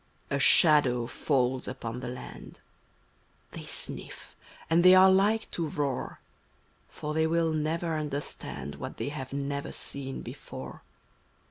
A shadow falls upon the land, — They snifiF. and thev are like to roar; For fhey will never understand What they have never seen before.